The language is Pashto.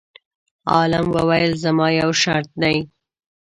عالم وویل: زما یو شرط دی.